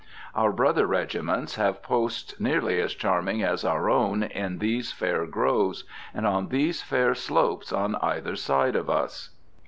Our brother regiments have posts nearly as charming as our own in these fair groves and on these fair slopes on either side of us.